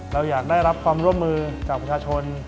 เราอยากได้รับความร่วมมือจากประชาชน